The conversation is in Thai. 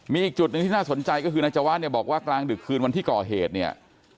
มีอีกจุดหนึ่งที่น่าสนใจก็คือนายจวาสเนี่ยบอกว่ากลางดึกคืนวันที่ก่อเหตุเนี่ย